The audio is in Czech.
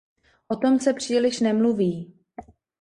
O tom se příliš nemluví.